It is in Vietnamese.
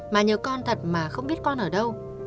má nhớ con thật mà không biết con ở đâu